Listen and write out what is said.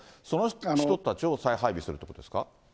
その人たちを再配備するということですか。